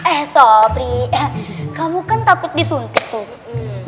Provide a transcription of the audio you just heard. eh sobri eh kamu kan takut disuntik tuh